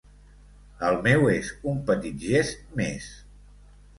El meu és un petit gest més.